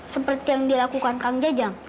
seperti yang dilakukan kang jajang